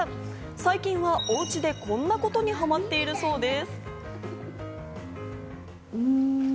最近はおうちでこんなことにハマっているそうです。